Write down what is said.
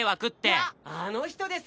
あっあの人です！